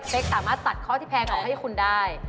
เพคตัดข้อที่แพงให้ผู้ช่วยได้